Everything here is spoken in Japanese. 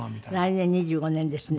来年２５年ですね。